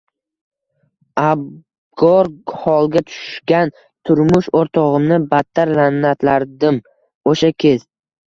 Abgor holga tushgan turmush o`rtog`imni battar la`natlardim o`sha kez